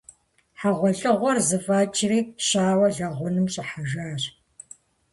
ХьэгъуэлӀыгъуэр зэфӀэкӀри, щауэр лэгъунэм щӀыхьэжащ.